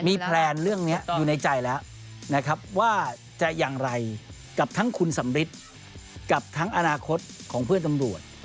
มีแพลนเรื่องนี้อยู่ในใจแล้วนะครับว่าจะอย่างไรกับทั้งคุณสำริทกับทั้งอนาคตของเพื่อนตำรวจ